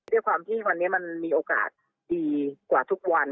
ด้วยความที่วันนี้มันมีโอกาสดีกว่าทุกวัน